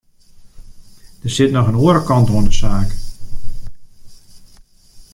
Der sit noch in oare kant oan de saak.